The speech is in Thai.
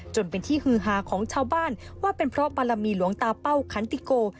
จนเป็นที่ฮือฮาของชาวบ้านว่าเป็นเพราะบารมีหลวงตาเป้าขันติโก